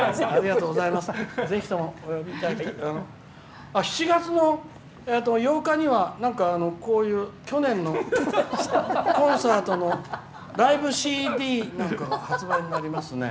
ぜひ。７月の８日にはなんか、こういう去年のコンサートのライブＣＤなんかが発売になりますね。